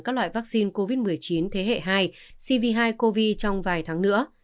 các loại vaccine covid một mươi chín thế hệ hai cv hai covid trong vài tháng nữa